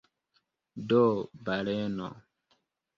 Do – baleno!